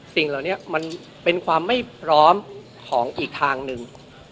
สิ่งเหล่านี้มันเป็นความไม่พร้อมของอีกทางหนึ่ง